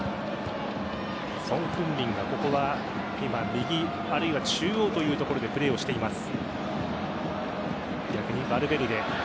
ソン・フンミンが、ここは今右、あるいは中央というところでプレーをしています。